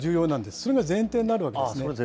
それが前提になるわけですね。